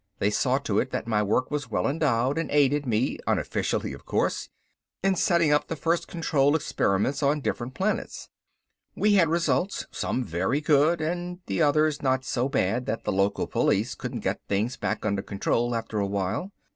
They saw to it that my work was well endowed and aided me unofficially of course in setting up the first control experiments on different planets. We had results, some very good, and the others not so bad that the local police couldn't get things back under control after a while.